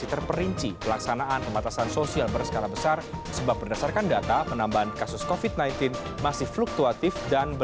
terima kasih prof